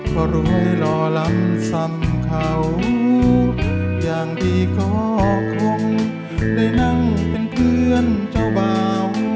ก็รวยรอลำซ้ำเขาอย่างดีก็คงได้นั่งเป็นเพื่อนเจ้าบ่าว